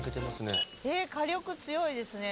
火力強いですね